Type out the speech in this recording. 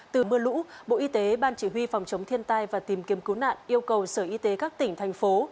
từ mưa lũ bộ y tế ban chỉ huy phòng chống thiên tai và tìm kiếm cứu nạn yêu cầu sở y tế các tỉnh thành phố